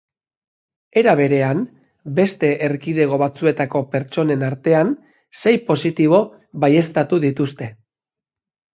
Era berean, beste erkidego batzuetako pertsonen artean sei positibo baieztatu dituzte.